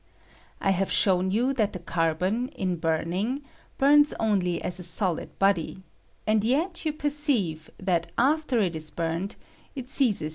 I have shown you that the carbon, in burning, bums only as a solid body, and yet you perceive that, after it ia burned, it ceases to 1 ^B bumi.